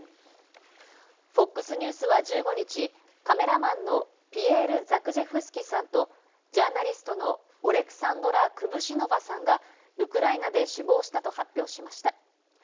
ＦＯＸニュースは１５日、カメラマンのピエール・ザクジェフスキさんとジャーナリストのオレクサンドラ・クブシノヴァさんがウクライナで死亡したと発表しました。